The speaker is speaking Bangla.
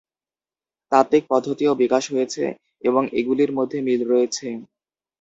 তাত্ত্বিক পদ্ধতিও বিকশিত হয়েছে এবং এগুলির মধ্যে মিল রয়েছে।